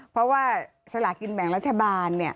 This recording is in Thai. เพราะว่าสลากินแบ่งรัฐบาล